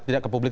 tidak ke publik